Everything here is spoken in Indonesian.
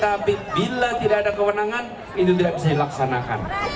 tapi bila tidak ada kewenangan itu tidak bisa dilaksanakan